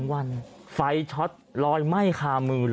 วันไฟช็อตลอยไหม้คามือเลย